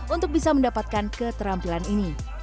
untuk bisa mendapatkan keterampilan ini